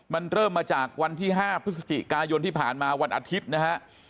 มันเริ่มมาจากวันที่๕พฤศจิกายนที่ผ่านมาวันอาทิตย์นะฮะ